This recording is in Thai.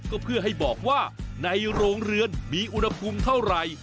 ก็เพื่อให้บอกว่าในโรงเรือนมีอุณหภูมิเท่าไหร่